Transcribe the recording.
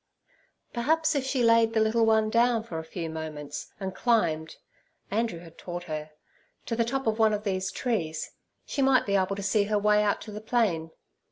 Perhaps if she laid the little one down for a few moments, and climbed (Andrew had taught her) to the top of one of these trees, she might be able to see her way out to the plain.